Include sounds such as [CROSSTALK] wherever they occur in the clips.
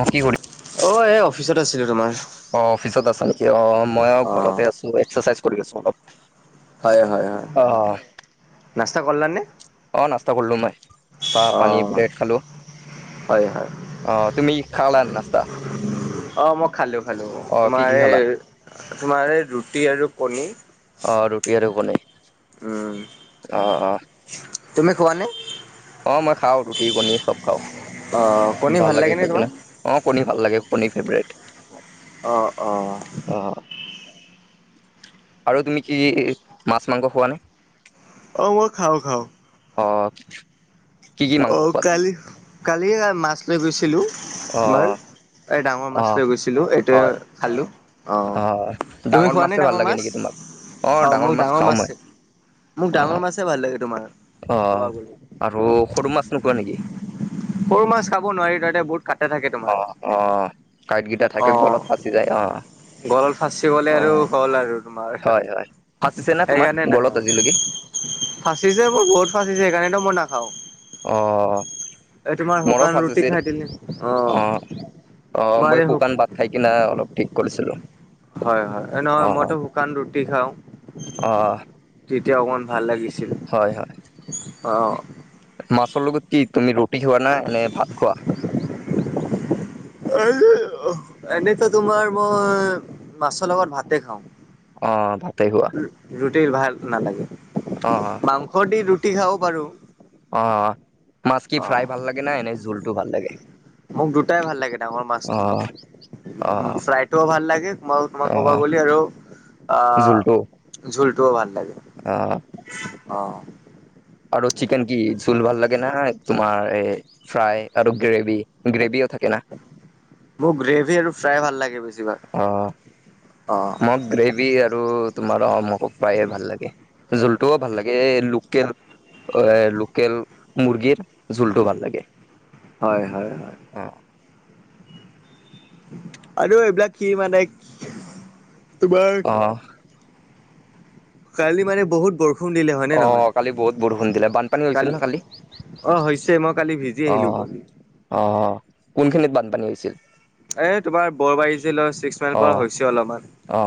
অ কি কৰি অ এই অফিচত আছিলো তোমাৰ। অ অফিচত আছা নেকি অ মই আৰু অ ঘৰতে আছো এক্সাৰচাইজ কৰি আছো অলপ। হয় হয় হয় অ নাস্তা কৰিলা নে অঁ নাস্তা কৰিলোঁ মই চাহ অ পানী ব্ৰেড খালোঁ হয় হয় অ তুমি খালা নাস্তা অ মই খালো খালো অ কি তোমাৰ কি এই খালা তোমাৰ ৰুটি আৰু কণী অ ৰুটি আৰু কণী উম অ অ তুমি খোৱা নে অ মই খাওঁ ৰুটি কণী চব খাও অ কণী ভাল লাগে নে খাই তোমাক? কিনে অ কণী ভাল লাগে কণীৰ ফেভেৰেট অ অ অ আৰু তুমি কি মাছ মাংস খোৱা নে অ মই খাওঁ খাওঁ অ কি কি অ মাংস খোৱা তুমি কালি কালি মাছ লৈ গৈছিলো অ তোমাৰ এই ডাঙৰ অ মাছ লৈ গৈছিলো এইটোৱে হয় খালো অঁ অ তুমি খোৱা মাছে নে ভাল ডাঙৰ লাগে মাছ নেকি তোমাক অ অঁ মোৰ ডাঙৰ খাওঁ মাছ মই মোক অ ডাঙৰ মাছে ভাল লাগে তোমাৰ আকৌ উম। সৰু মাছ নোখোৱা নেকি? সৰু মাছ খাব নোৱাৰি তাতে বহুত কাটা থাকে তোমাৰ অ কাঁইটকিটা থাকে গলত ফাচি যায় অ গলল ফাচি গলে আৰু অ' হ'ল আৰু তোমাৰ হয় হয়। ফাঁচিছে না তোমাৰ সেইকাৰণে গলত নাখাও আজিলৈকে? ফাঁচিছে মোৰ বহুত ফাচিছে সেইকাৰণেতো মই নাখাওঁ অ এই তোমাৰ মোৰো শুকান ৰুটি ফাঁচিছিল খাই দিলে অ আহ আহ তোমাৰ মই এই শুক শুকান ভাত খাই কিনা অলপ ঠিক কৰিছিলো হয় হয় নহয় অ' মইতো শুকান ৰুটি খাও অ' তেতিয়া অকমান ভাল লাগে হয় হয় মাছৰ লগত কি তুমি ৰুটি খোৱা নে ভাত খোৱা এনেতো তোমাৰ মই মাছৰ লগত ভাতে খাও অ ভাতে খোৱা ৰুটি ভাল নালাগে অ মাংস দি ৰুটি খাব পাৰো অ মাছ কি অ ফ্ৰাই ভাল লাগে নে এনে জোলটো ভাল লাগে? মোক দুটাই ভাল লাগে ডাঙৰ মাছটো অ' উম অ' ফ্ৰাইটোও ভাল লাগে মই তোমাক ক'বা অ' গ'লে আৰু আহ! জোলটো জোলটোও ভাল লাগে অ' অ আৰু চিকেন কি জোল ভাল লাগে না তোমাৰ এ ফ্ৰাই আৰু গ্ৰেভি গ্ৰেভিও থাকে। না মোক গ্ৰেভি আৰু ফ্ৰাই ভাল লাগে অ বেছিভাগ। অ মোক গ্ৰেভি আৰু তোমাৰ অ মোক ফ্ৰাই ভাল লাগে। জোলটোও ভাল লাগে এ লোকেল। অ লোকেল মুৰ্গীৰ জোলটো ভাল লাগে। হয় হয় হয় অঁ আৰু এইবিলাক কি মানে তোমাৰ অঁ কালি মানে বহুত বৰষুণ। দিলে হয়নে অ অ নহয়? কালি বহুত বৰষুণ দিলে বানপানী হৈছিল ন কালি? অ হৈছে মই কালি ভিজি আহিলোঁ গৈ। অ অ কোনখিনিত বানপানী হৈছিল? এ তোমাৰ বৰবাৰী জিলা ছিক্স মাইল অ পৰা হৈছে অলপমান। অ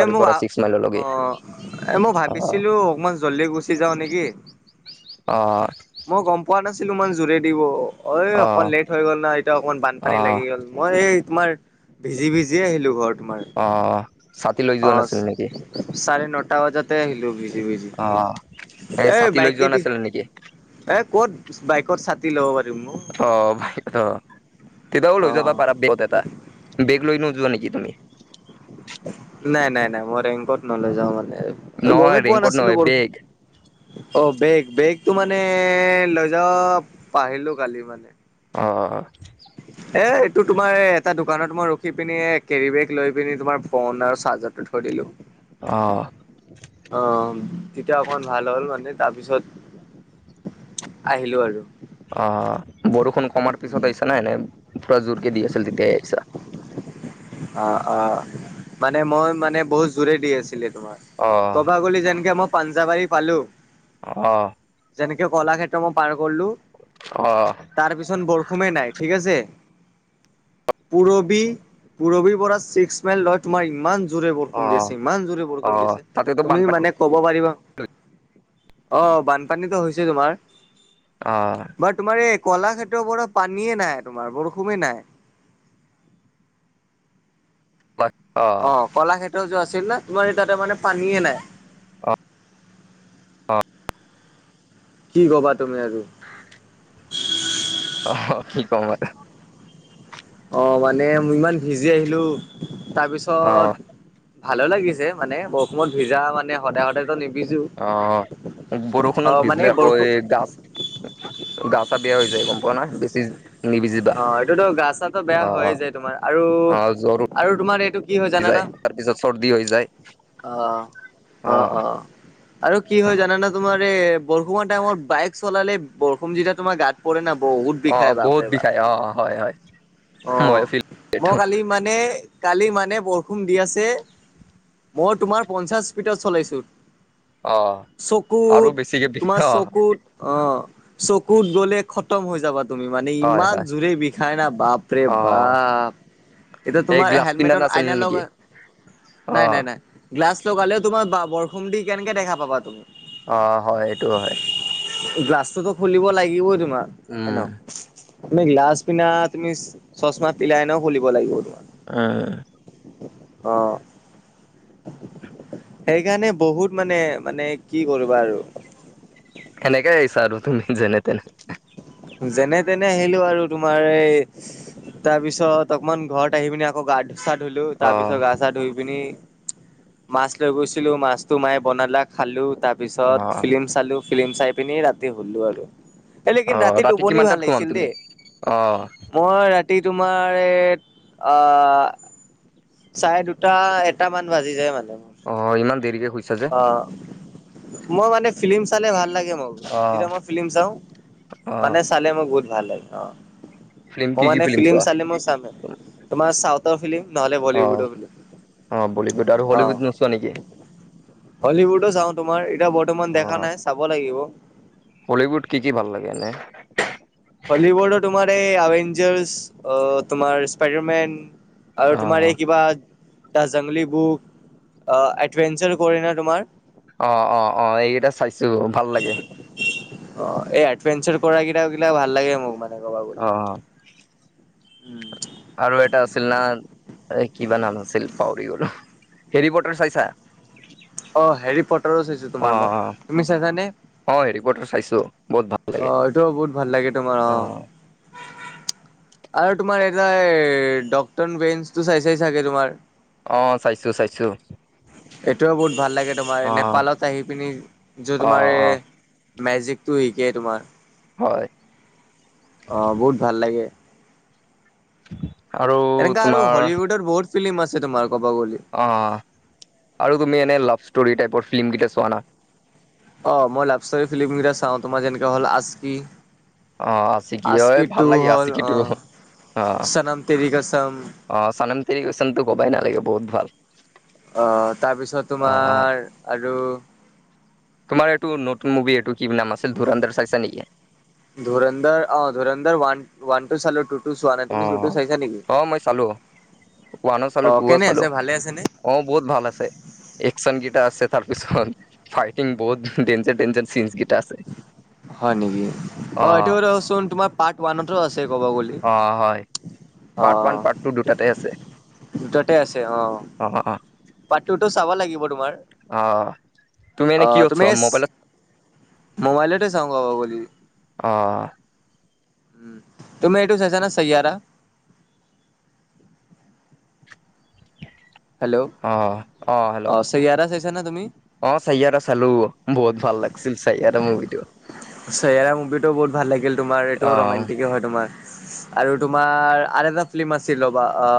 এ মোক পৰা ছিক্স মাইললৈকে অ এ মই অ ভাবিছিলোঁ অকমান জল্দি গুচি যাওঁ নেকি? অ অ মই গম পোৱা নাছিলোঁ ইমান জোৰে দিব ঐ অ অকন লেট হৈ গ'ল না এতিয়া অকমান অ বানপানী লাগি গ'ল। মই এই তোমাৰ ভিজি ভিজিয়ে আহিলোঁ ঘৰ তোমাৰ। অ অ ছাতি লৈ অ যোৱা নাছিল নেকি? চাৰে নটা বজাতে আহিলোঁ ভিজি ভিজি অ এ এই ছাতি লৈ যোৱা বাইকে দি। নাছিলা নেকি? এ ক'ত বাইকত ছাতি ল'ব পাৰিম ঔ। অ অ ভাগ্য কেতিয়াবা অ লৈ যাবা পাৰা বেগত এটা বেগ লৈ নোযোৱা নেকি তুমি? নাই নাই নাই মই ৰেংকত লৈ নাযাওঁ মানে নহয় গমেই পোৱা ৰেইনকোট নাছিলোঁ নহয় বৰষুণ। বেগ। অ বেগ বেগটো মানে লৈ যাব পাহৰিলোঁ কালি মানে। অ অ। এ এইটো তোমাৰ এটা দোকানত মই ৰখি পিনি কেৰিবেগ লৈ পিনি তোমাৰ ফোন আৰু চাৰ্জাৰটো থয় কৰিলোঁ। অ অ অহ তেতিয়া অকণ ভাল হ'ল মানে তাৰপিছত। আহিলোঁ আৰু। অ অহ বৰষুণ কমাৰ পিছত আহিছাঁ নে এনে পুৰা জোৰকে দি আছিল তেতিয়া আহিছাঁ। অ অ মানে মই মানে বহুত জোৰে দি আছিলে তোমাৰ। অ' প্ৰভাগলী যেনকে মই পাঞ্জাবাৰী পালোঁ। অ। যেনেকে কলাক্ষেত্ৰ মই পাৰ কৰিলোঁ। অহ অহ। তাৰপিছত বৰষুণেই নাই ঠিক আছে পুৰৱি। পুৰবি পৰা ছিক্স মাইল লয় তোমাৰ ইমান জোৰে বৰষুণ দি অ' আছে ইমান জোৰে বৰষুণ দি অ' আছে তাতেতো তুমি বানপানী মানে ক'ব পাৰিবা। অ অহ বানপানীতো হৈছে তোমাৰ। অ বাৰ তোমাৰ এই কলাক্ষেত্ৰৰ পৰা পানীয়ে নাই তোমাৰ বৰষুণে নাই। হয় অ অ। কলাক্ষেত্ৰৰ যোৱা আছিল ন তোমাৰ এতিয়া তা মানে পানীয়ে নাই। কি ক'বা তুমি আৰু অ কি কম আৰু অ মানে ইমান ভিজি আহিলোঁ অ' তাৰপিছত। ভালো লাগিছে মানে বৰষুণত ভিজা মানে সদায় সদায় ত নিভিজো। অ অ বৰষুণত মানে ভিজিলে আকৌ বৰষুণ এই গাছ, গা চা বেয়া হৈ যায় গম পোৱা নহয় বেছি। নিভিজিবা। অ এইটোতো গা চা বেয়া হয় য়ে অ' যায় তোমাৰ আৰু অ' জ্বৰো আৰু তোমাৰ এইটো, কি হয় জানানা যায় তাৰপিছত চৰ্দি হৈ যায়। অ অ অ আৰু কি হয় জানা নে। তোমাৰ এই বৰষুণ হোৱাৰ টাইমত বাইক চলালে বৰষুণ যেতিয়া তোমাৰ গাত, পৰে না বহুত অ', বিষায় বহুত বাপৰে বিষাই বাপ। অ হয় হয়। অ ময়ো ফিল মই এইটো কালি মানে। কালি মানে বৰষুণ দি আছে মই তোমাৰ পঞ্চাশ স্পীডত চলাইছোঁ। অ', আৰু চকুত বেছিকে বিষ তোমাৰ অ', চকুত। অ চকুত গলে খতম হৈ যাবা তুমি মানে হয়, ইমান হয় জোৰে বিষাই না বাপ বাপ ৰে অ', বাপ এতিয়া এই তোমাৰ গ্লাছ পিন্ধা হেলমেটত নাছিল আইন নেকি? লগা নাই অ', নাই নাই, গ্লাছ লগালেও তোমাৰ বৰষুণ দি কেনেকে দেখা পাবা তুমি। অ হয় এইটো হয়। গ্লাছটোতো খুলিব লাগিবই তোমাৰ উম, এনেও। তুমি গ্লালাচ পিন্ধা তুমি চচমা পিলাই এনও খুলিব লাগিব তোমাৰ। অ‌ অ, অ, সেইকাৰণে বহুত মানে মানে কি কৰিবা আৰু এনেকে বিচাৰো তুমি যেনে তেনে, যেনে তেনে আহিলো আৰু তোমাৰ এই, তাৰ পিছত অকমান ঘৰত আহি পিনি আকৌ গাধ চা ধুলো তাৰ পিছত অ', গা চা ধুই পিনি। মাছ লৈ গৈছিলো মাছটো মায়ে বনালা খালো তাৰ পিছত অ', ফিল্ম চালো। ফিল্ম চাই পিনি ৰাতি শুলোঁ আৰু এ লেকিন অ', ৰাতি টোপনি ভাল কিমানটাত ঘুমাম লাগিছিল তুমি? দেই। অ', মই ৰাতি তোমাৰ এই অ চাৰে দুটা এটা মান বাজি যায় মানে। মোৰ অ ইমান দেৰিকে শুইছা যে, অ মই মানে ফিল্ম চালে ভাল লাগে। ম যেতিয়া অ', মই ফিল্ম চাওঁ অ', মানে চালে মোৰ বহুত ভাল লাগে অ। ফিল্ম মই কি কি মানে ফিল্ম চোৱা? চালে মই চামে তোমাৰ চাউথৰ ফিল্ম নহ'লে। অ বলীউডৰ ফিল্ম অ বলীউড আৰু হলীউড অ'। নোচোৱা নেকি। হলিউডো চাঁও তোমাৰ এতিয়া বৰ্তমান দেখা নাই চাব লাগিব। হলিউড কি কি ভাল লাগে এনে। হলিউডো তোমাৰ এই এভেঞ্জাৰ অ তোমাৰ স্পাইডাৰমেন। আৰু তোমাৰ অ', এই কিবা দা জাংলী বুক এডভেঞ্চাৰ কৰে না তোমাৰ। অ অ অ এইকেইটা চাইছো ভাল লাগে। অ এই এডভেনচাৰ কৰা কিটা গিলাক ভাল লাগে মোক মানে কবা অ বুলি। উম আৰু এটা আছিল না এই কিবা নাম আছিল পাউৰি গলো হেৰি পটাৰ চাইছা? অ হেৰি পটাৰো চাইছো অ তোমাৰ মই তুমি চাইছানে? অ' হেৰিপটাৰ চাইছো বহুত ভাল অ লাগে এইটোও বহুত ভাল লাগে তোমাৰ অ [INAUDIBLE] আৰু তোমাৰ এটা এ ডক্টন বেঞ্চটো চাইছা এ চাগে তোমাৰ অ চাইছো চাইছো। এইটোৱে বহুত ভাল লাগে তোমাৰ অ নেপালত আহি পিনি য অ তোমাৰ এ অ মেজিকটো শিকেই তোমাৰ। হয় অ বহুত ভাল লাগে। আৰু এনেকা আৰু তোমাৰ হলিউডৰ বহুত ফিল্ম আছে তোমাৰ ক'বা গ'লে। অ আৰু তুমি এনে লাভ ষ্টৰী টাইপৰ ফিল্ম কেইটা চোৱা না। অ মই লাভষ্টৰী ষ্ফিল্ম কেইটা চাওঁ তোমাৰ যেনেকে হ'ল আচকি। অ আচিকি হয় আচকি ভাল টু লাগে হল অ, আচিকিটো অ চানাম তেৰি কাছাম। অ চানাম তেৰি কাচামতো কবাই নালাগে বহুত ভাল। অ তাৰপিছত অ তোমাৰ আৰু তোমাৰ এইটো নতুন মুভি এইটো কি নাম আছিল ধোৰান্দৰ চাইছা নেকি? ধোৰন্দৰ অ ধোৰন্দৰ ৱান ৱানটো চালোঁ টু টো চোৱা নাই অ তুমি টু টো চাইছা নেকি? অ মই চালো ওৱানো চালো অ টুও কেনে চালো আছে ভালে আছে নে? অ বহুত ভাল আছে। একচন গিটা আছে তাৰপিছত ফাইটিং বহুত ডেনজাৰ ডেনজাৰ চিন কেইটা আছে। হয় নেকি অ এইটো [UNINTELLIGIBLE] চোন তোমাৰ পাৰ্ট ওৱানতো আছে ক'ব গ'লে। অ হয় অ পাৰ্ট ওৱান পাৰ্ট টু দুটাতে আছে। দুটাতে আছে অ, পাৰ্ট টু তো চাব লাগিব তোমাৰ। অ তুমি এনে অ কি কৰিছা তুমি মোবাইলত মবাইলতে [UNINTELLIGIBLE] অঁ। উম তুমি এইটো চাইছা নে সাইয়াৰা? হেল্ল' অ অ হেল্ল' অঁ সাইয়াৰা চাইছা নে তুমি? অ সাইয়াৰা চালো, বহুত ভাল লাগিছিল সাইয়াৰা মুভি টো। সাইয়াৰা মুভিটো বহুত ভাল লাগিল তোমাৰ অ এইটোও ৰোমণ্টিকে হয় তোমাৰ। আৰু তোমাৰ আৰু এটা ফিল্ম আছিল ৰ'বা অ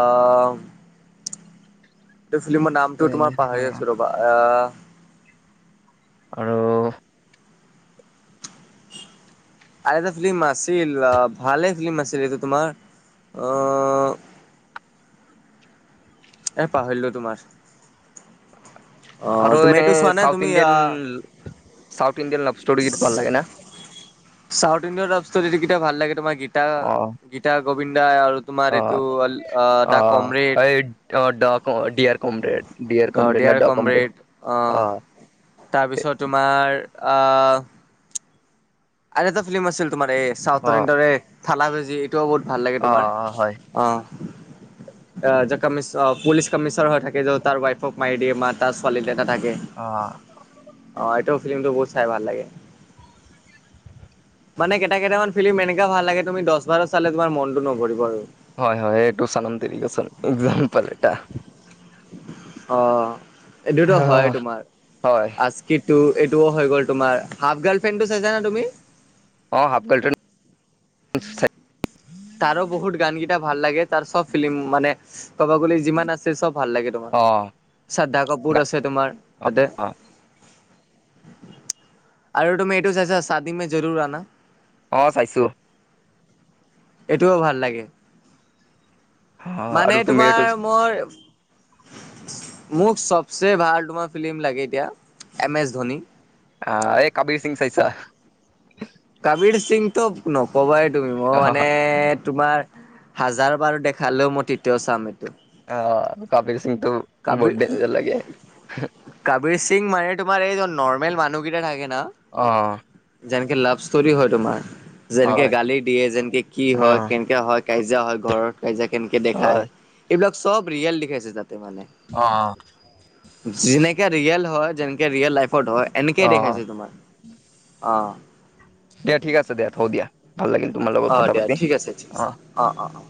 এইটো ফিল্মৰ নামটো তোমাৰ পাহৰি আছো ৰ'বা আহ আৰু আৰু এটা ফিল্ম আছিল আ ভালে ফিল্ম আছিল এইটো তোমাৰ অ এ পাহৰিলো তোমাৰ, অ আৰু তুমি এনে এইটো চোৱা নাই চাউথ তুমি ইণ্ডিয়ান আহ চাউথ ইণ্ডিয়ান লভষ্টৰিগিটা ভাল লাগে না? চাউথ ইণ্ডিয়াৰ লভষ্টৰী কেইটা ভাল লাগে তোমাৰ গীতা অ গীতা গোবিন্দা আৰু তোমাৰ অ এইটো আ অ দা কমৰেড এই ড ডিয়াৰ কমৰেড ডিয়াৰ অ কমৰেড ন ড দেয়াৰ কমৰেড অ তাৰপিছত তোমাৰ আহ আৰু এটা ফিল্ম আছিল তোমাৰ এই চাউথ অ [UNINTELLIGIBLE] থালা ভেজি এইটোও বহুত ভাল লাগে অ তোমাৰ। হয় অঁ। [INAUDIBLE] কি পুলিচ কমিশনাৰ হৈ থাকে য তাৰ ৱাইফক মাৰি দিয়ে বা তাৰ ছোৱালীকেইটা থাকে। অঁ। অঁ, এইটোও ফিল্মতটো বহুত চাই ভাল লাগে। মানে কেইটা কেইটামান ফিল্ম এনেকা ভাল লাগে তুমি দছ বাৰ চালে তোমাৰ মনটো নভৰিব আৰু। হয়, হয় এইটো চানাম তেৰি কছম এক্সাম্পল এটা। অঁ, এইটোতো হয় আহ, তোমাৰ। হয় আজ- কিটো এইটোও হৈ গ'ল তোমাৰ। হাফ গাৰ্ল ফ্ৰেণ্ডটো চাইছা না তুমি? অঁ, হাফ গাৰ্লফ্ৰেণ্ড [UNINTELLIGIBLE] তাৰো বহুত গানকেইটা ভাল লাগে, তাৰ চব ফিল্ম মানে ক'ব গ'লে যিমান আছে চব ভাল লাগে। অ শ্ৰাদ্ধা কাপোৰ গা- আছে তোমাৰ তাতে। অ আৰু তুমি এইটো চাইছা শাদী মে জৰুৰ আনা? অঁ, চাইছোঁ। এইটোও ভাল লাগে। অ মানে আৰু তুমি তোমাৰ এইটো মই- মোক চবচে ভাল তোমাৰ ফিল্ম লাগে এতিয়া এম এছ ধনী। আ এই কবীৰ সিং চাইছা? কাবিৰ সিং তো নকবাই তুমি। মই অ মানে- তোমাৰ হাজাৰ বাৰ দেখালেও মই তেতিয়াও চাম এইটো। আ কাবিৰ সিংটো- বহুত কাবিৰ - ডেঞ্জাৰ লাগে কাবিৰ সিং মানে তোমাৰ এইজন নৰ্মেল মানুহকেইটা থাকে ন! অঁ। যেনেকে লাভ ষ্টৰি হয় তোমাৰ, যেনেকে হয় গালি দিয়ে যেনকে কি অ হয়, কেনেকে হয়, - কাজিয়া হয়, ঘৰত কাজিয়া কেনেকে দেখাই, হয় এইবিলাক চব ৰিয়েল দেখাইছে তাতে মানে। অঁ, অঁ। যেনেকে ৰিয়েল হয়, যেনেকে ৰিয়েল লাইফত হয়, এনেকেই অ দেখাইছে তোমাৰ অঁ। দিয়া ঠিক আছে দিয়া, থওঁ দিয়া ভাল লাগিল তোমাৰ লগত কথা পাতি, অঁ। অঁ, অঁ, অঁ।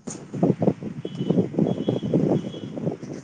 [UNINTELLIGIBLE]